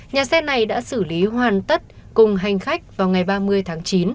nhà xe này đã xử lý hoàn tất cùng hành khách vào ngày ba mươi tháng chín